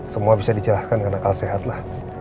semua bisa dicerahkan karena kal sehat lah